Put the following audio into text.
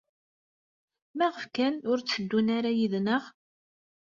Maɣef kan ur tteddun ara yid-neɣ?